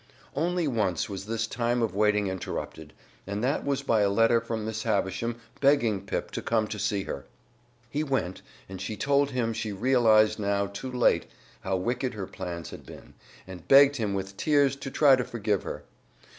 Only once was this time of waiting interrupted, and that was by a letter from Miss Havisham begging Pip to come to see her. He went, and she told him she realized now too late how wicked her plans had been, and begged him with tears to try to forgive her.